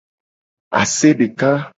Ase deka.